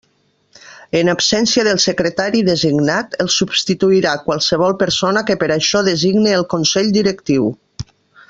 En absència del secretari designat el substituirà qualsevol persona que per a això designe el Consell Directiu.